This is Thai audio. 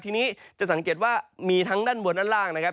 ทีนี้จะสังเกตว่ามีทั้งด้านบนด้านล่างนะครับ